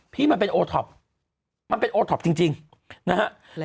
พี่มันเป็นโอท็อปมันเป็นโอท็อปจริงนะฮะ